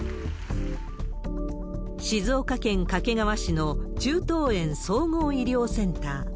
静岡県掛川市の中東遠総合医療センター。